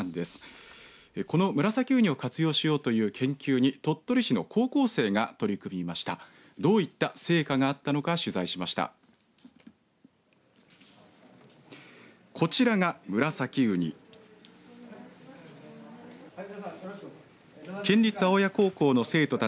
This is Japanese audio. どういった成果があったのか取材しました。